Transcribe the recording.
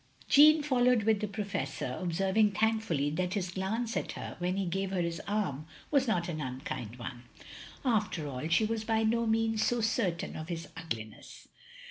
Jeanne followed with the Professor, observing thankfully that his glance at her, when he gave her his arm, was not an unkind one. After all, she was by no means so certain of his ugliness.